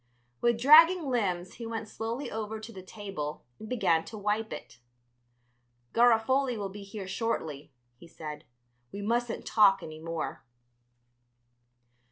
With dragging limbs he went slowly over to the table and began to wipe it. "Garofoli will be here shortly," he said; "we mustn't talk any more."